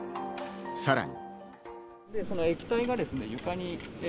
さらに。